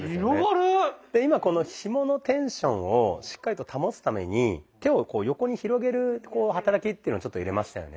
で今このひものテンションをしっかりと保つために手をこう横に広げる働きっていうのをちょっと入れましたよね。